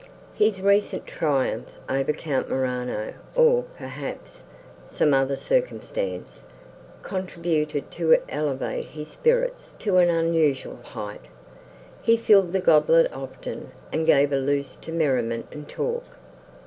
His recent triumph over Count Morano, or, perhaps, some other circumstance, contributed to elevate his spirits to an unusual height. He filled the goblet often, and gave a loose to merriment and talk.